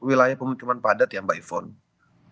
wilayah pemutuman padat ya mbak yvonne